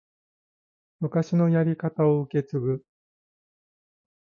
昔のやり方を受け継ぐ